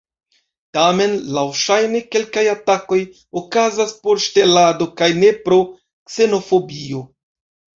Tamen laŭŝajne kelkaj atakoj okazas por ŝtelado kaj ne pro ksenofobio.